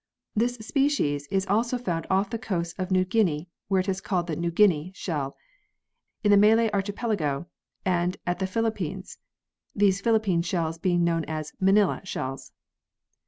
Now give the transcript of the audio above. This species is also found off the coasts of New Guinea (where it is called the "New Guinea" shell), in the Malay Archipelago, and at the Philippines ; these Philippine shells being known as "Manila" shells.